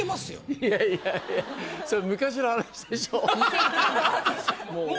いやいやいやそれ昔の話でしょははははっ